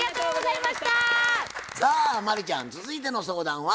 さあ真理ちゃん続いての相談は？